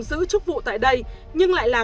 giữ chức vụ tại đây nhưng lại là